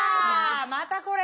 またこれ。